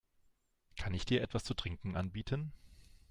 Kann ich dir etwas zu trinken anbieten?